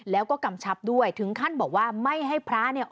แล้วก็กำชับด้วยถึงขั้นบอกว่าไม่ให้พระเนี่ย